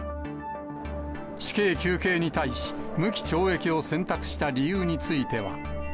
死刑求刑に対し、無期懲役を選択した理由については。